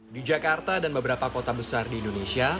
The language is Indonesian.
di jakarta dan beberapa kota besar di indonesia